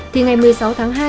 thì ngày một mươi sáu tháng hai